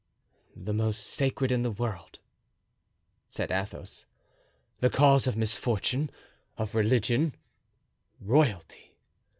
"That most sacred in the world," said Athos; "the cause of misfortune, of religion, royalty.